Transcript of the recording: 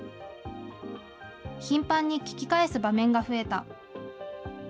頻繁に聞き返す場面が増えた。